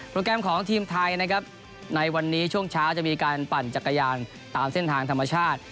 แกรมของทีมไทยนะครับในวันนี้ช่วงเช้าจะมีการปั่นจักรยานตามเส้นทางธรรมชาติ